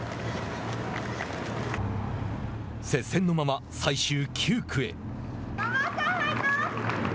接戦のまま最終９区へ。